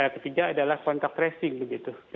ketiga adalah kontak tracing begitu